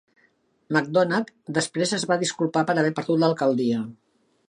McDonagh després es va disculpar per haver perdut l'alcaldia.